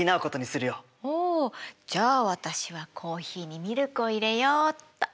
おじゃあ私はコーヒーにミルクを入れようっと。